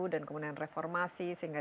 dan kemudian reformasi sehingga